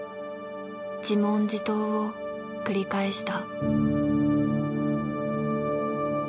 自問自答を繰り返した。